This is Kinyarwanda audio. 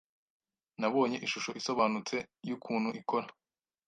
Nabonye ishusho isobanutse yukuntu ikora.